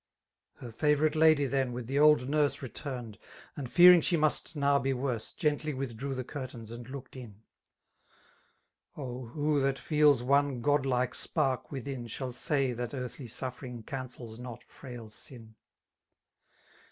Her favorite lady then wi^ the old nufse Returned, aofd fbaring she must now be wovse. Gently withdrew ^kut eurtains, and looked In :— O, who that feds one goifflke sparic w^Hb, Shall say that earthly sufiPering cancels not frail sin